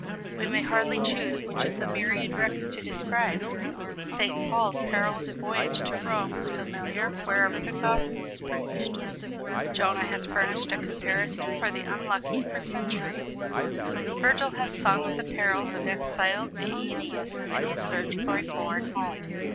We may hardly choose which of the myriad wrecks to describe. St. Paul's perilous voyage to Rome is familiar wherever the gospel is preached; Jonah has furnished a comparison for the unlucky for centuries; Virgil has sung of the perils of exiled Æneas in his search for a foreign home.